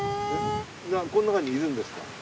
この中にいるんですか？